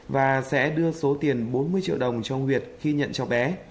và sẽ đưa số tiền bốn mươi triệu đồng cho nguyệt khi nhận cho bé